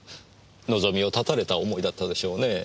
望みを絶たれた思いだったでしょうねぇ。